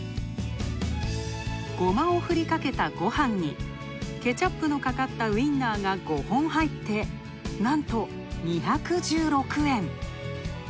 ゴマをふりかけたご飯に、ケチャップのかかったウインナーが５本入って、なんと２１６円。